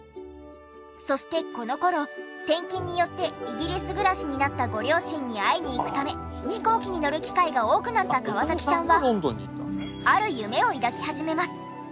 そしてこの頃転勤によってイギリス暮らしになったご両親に会いにいくため飛行機に乗る機会が多くなった河崎さんは。